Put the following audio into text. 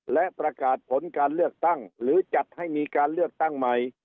และประกาศผลการเลือกตั้งหรือจัดให้มีการเลือกตั้งใหม่